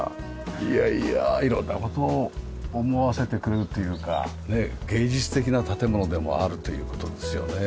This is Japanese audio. いやいや色んな事を思わせてくれるというかねっ芸術的な建物でもあるという事ですよね。